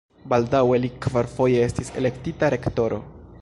Baldaŭe li kvarfoje estis elektita rektoro.